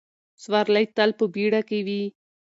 سوارلۍ تل په بیړه کې وي.